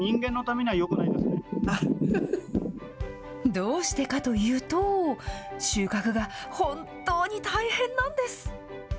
どうしてかというと、収穫が本当に大変なんです。